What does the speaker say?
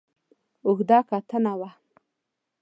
اوږده کتنه وه.